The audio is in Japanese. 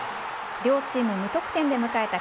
両チーム無得点で迎えた